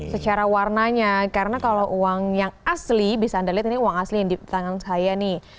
secara warnanya karena kalau uang yang asli bisa anda lihat ini uang asli yang di tangan saya nih